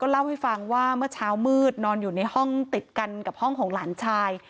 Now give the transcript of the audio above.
เล่าให้ฟังว่าเมื่อเช้ามืดนอนอยู่ในห้องติดกันกับห้องของหลานชาย